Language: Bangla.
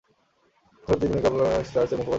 ভারতে তিনি মেক লাভ নট স্কারস।-এর মুখপাত্র।